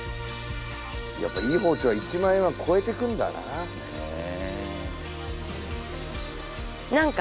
やっぱいい包丁は１００００円は超えてくんだなですね